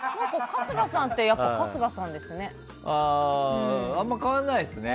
春日さんってやっぱり春日さんですね。